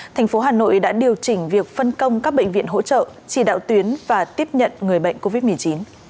thành phố hà nội đã điều chỉnh việc phân công các bệnh viện hỗ trợ chỉ đạo tuyến và tiếp nhận người bệnh covid một mươi chín